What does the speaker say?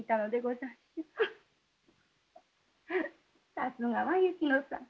さすがは雪野さん。